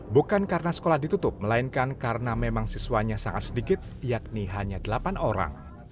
bukan karena sekolah ditutup melainkan karena memang siswanya sangat sedikit yakni hanya delapan orang